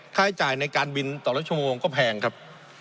ค่าใช้จ่ายในการบินแต่ละชั่วโมงก็แพงครับ